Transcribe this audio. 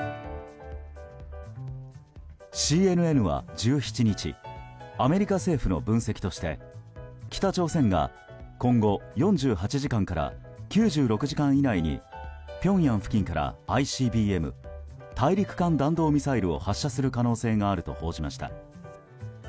ＣＮＮは１７日アメリカ政府の分析として北朝鮮が今後４８時間から９６時間以内にピョンヤン付近からＩＣＢＭ・大陸間弾道ミサイルを発射する可能性があると報じました。